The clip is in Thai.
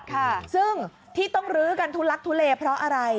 ค่ะซึ่งที่ต้องลื้อกันทุลักทุเลเพราะอะไร